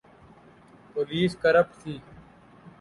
Police corrupt تھی۔